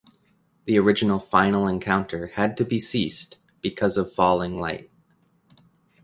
The original final encounter had to be ceased because of falling light.